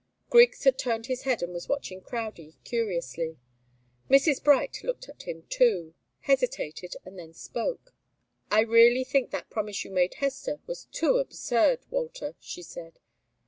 Griggs had turned his head and was watching Crowdie curiously. Mrs. Bright looked at him, too, hesitated, and then spoke. "I really think that promise you made Hester was too absurd, Walter!" she said.